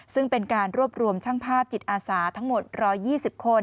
ซึ่งเป็นการรวบรวมช่างภาพจิตอาสาทั้งหมด๑๒๐คน